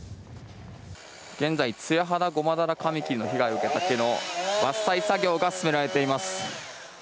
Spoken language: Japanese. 現在ツヤハダゴマダラカミキリの被害を受けた木の伐採作業が進められています。